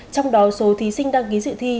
trong đó số thí sinh đăng ký dự thi